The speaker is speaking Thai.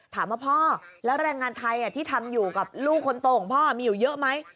ถามว่าพ่อแล้วแรงงานไทยที่ทำอยู่กับลูกคนโตของพ่อมีอยู่เยอะไหม